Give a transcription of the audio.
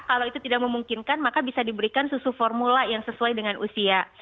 kalau itu tidak memungkinkan maka bisa diberikan susu formula yang sesuai dengan usia